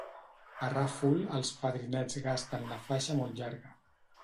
A Ràfol els fadrinets gasten la faixa molt llarga.